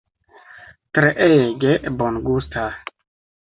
Treege bongusta!